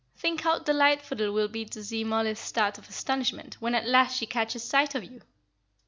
Think how delightful it will be to see Mollie's start of astonishment, when at last she catches sight of you!"